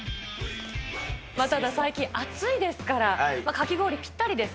最近、暑いですから、かき氷ぴったりです。